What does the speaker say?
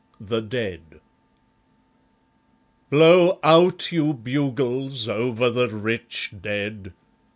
The Dead Blow out, you bugles, over the rich Dead!